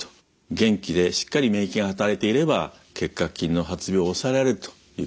元気でしっかり免疫が働いていれば結核菌の発病を抑えられるということであります。